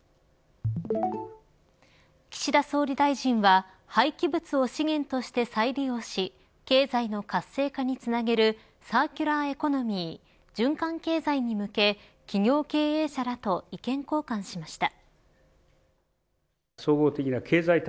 岸田総理大臣は廃棄物を資源として再利用し経済の活性化につなげるサーキュラーエコノミー循環経済に向け企業経営者らと意見交換しました。